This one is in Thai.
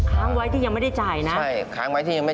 ค้างไว้ที่ยังไม่ได้จ่ายนะ